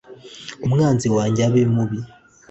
Umwanzi wanjye abe mubi